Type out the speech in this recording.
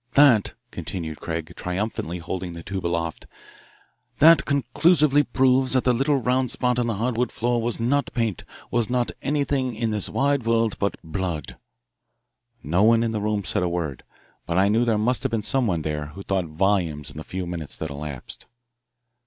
"That," concluded Craig, triumphantly holding the tube aloft, "that conclusively proves that the little round spot on the hardwood floor was not paint, was not anything in this wide world but blood." No one in the room said a word, but I knew there must have been someone there who thought volumes in the few minutes that elapsed.